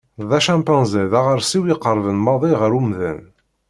D acampanzi i d aɣersiw iqerben maḍi ɣer umdan.